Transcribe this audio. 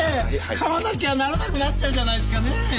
買わなきゃならなくなっちゃうじゃないですかねえ！